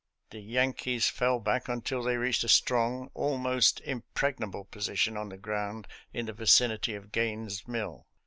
The Yankees fell back until they reached a strong, almost im pregnable position on the ground in the vicinity of Gaines' Mill.